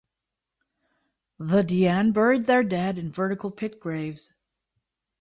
The Dian buried their dead in vertical pit graves.